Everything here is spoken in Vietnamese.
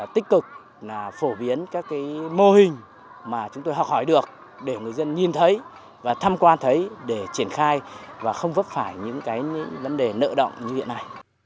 tích cực là phổ biến các mô hình mà chúng tôi học hỏi được để người dân nhìn thấy và tham quan thấy để triển khai và không vấp phải những vấn đề nợ động như hiện nay